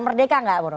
merdeka nggak bro